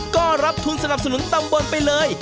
ก็รับทุนสนับสนุนตำบลไปเลย